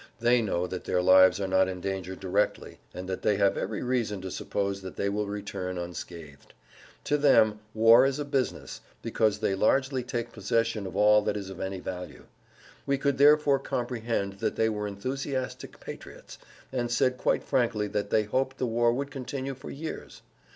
They know that their lives are not endangered directly and that they have every reason to suppose that they will return unscathed. To them war is a business, because they largely take [Pg 107]possession of all that is of any value. We could therefore comprehend that they were enthusiastic patriots and said quite frankly that they hoped the war would continue for years.